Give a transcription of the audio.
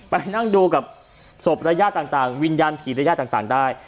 ไปนั่งดูกับศพรญญาติต่างวิญญาณผีรญญาติต่างได้